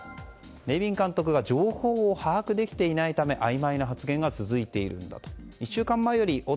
ネビン監督が情報を把握できていないためあいまいな発言が続いているんだと。